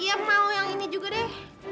iya mau yang ini juga deh